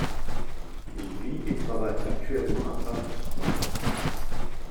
Il vit et travaille actuellement à Paris.